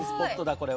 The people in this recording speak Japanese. これは。